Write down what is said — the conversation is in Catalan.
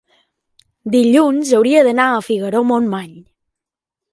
dilluns hauria d'anar a Figaró-Montmany.